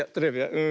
うん。